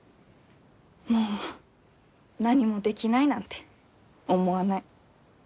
もう何もできないなんて思わない。